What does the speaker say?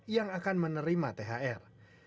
yang akan menerima thr